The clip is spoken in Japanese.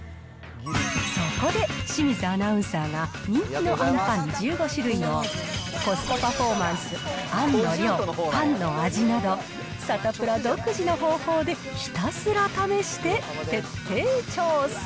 そこで、清水アナウンサーが人気のあんパン１５種類を、コストパフォーマンス、あんの量、パンの味など、サタプラ独自の方法でひたすら試して徹底調査。